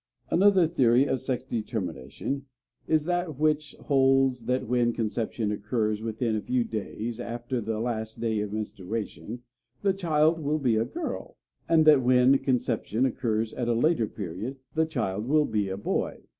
Another theory of sex determination is that which holds that when conception occurs within a few days after the last day of menstruation, the child will be a girl; and that when conception occurs at a later period, the child will be a boy.